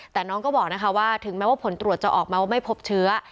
แต่น้องก็บอกนะคะว่าถึงแม้ว่าผลตรวจจะออกมาว่าไม่พบเชื้อ